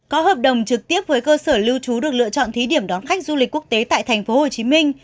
có hợp đồng trực tiếp với cơ sở lưu trú được lựa chọn thí điểm đón khách du lịch quốc tế tại tp hcm